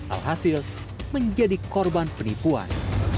alhasil menjadi korban penipuan